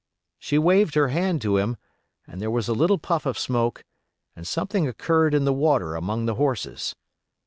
She waved her hand to him, and there was a little puff of smoke and something occurred in the water among the horses.